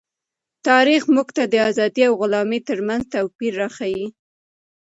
تاریخ موږ ته د آزادۍ او غلامۍ ترمنځ توپیر راښيي.